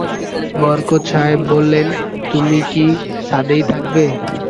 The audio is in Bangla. বরকত সাহেব বললেন, তুমি কি ছাদেই থাকবে?